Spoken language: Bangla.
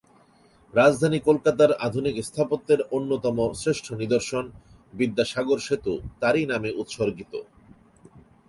রাজধানী কলকাতার আধুনিক স্থাপত্যের অন্যতম শ্রেষ্ঠ নিদর্শন বিদ্যাসাগর সেতু তারই নামে উৎসর্গিত।